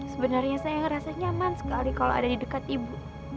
sebenarnya saya ngerasa nyaman sekali kalau ada di dekat ibu